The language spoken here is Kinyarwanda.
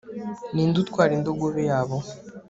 ninde utwara indogobe yabo